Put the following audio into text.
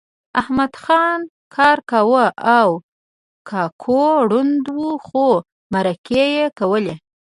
احمدخان کار کاوه او ککو ړوند و خو مرکې یې کولې